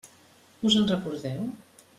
Us en recordeu?